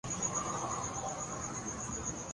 ایرانی انقلاب کے امام اور مقتدی، دونوں شیعہ تھے۔